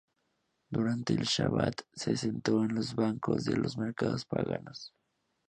Durante el Shabat se sentó en los bancos de los mercaderes paganos.